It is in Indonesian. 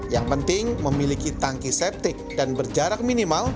yang penting memiliki tanki septic dan berjarak minimal